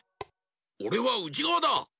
おれはうちがわだ！